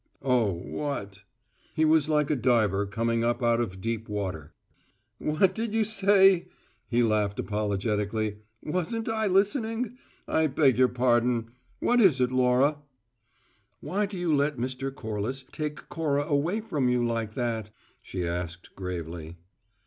"Oh what?" He was like a diver coming up out of deep water. "What did you say?" He laughed apologetically. "Wasn't I listening? I beg your pardon. What is it, Laura?" "Why do you let Mr. Corliss take Cora away from you like that?" she asked gravely.